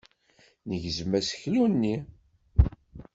Negzem aseklu-nni.